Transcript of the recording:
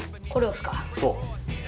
そう。